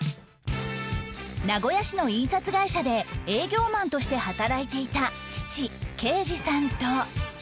名古屋市の印刷会社で営業マンとして働いていた父啓治さんと